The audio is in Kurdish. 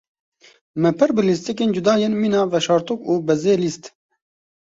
Me pir bi lîstikên cuda yên mîna veşartok û bezê lîst.